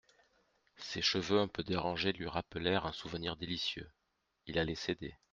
Ses cheveux un peu dérangés lui rappelèrent un souvenir délicieux … Il allait céder.